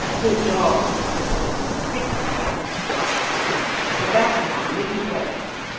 "Good dog!" said the orderly, taking the cap he dropped at his feet. "Go back now and lead the way."